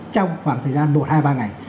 trong khoảng thời gian một hai ba ngày